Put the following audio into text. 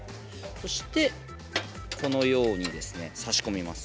そしてこのようにですね差し込みます。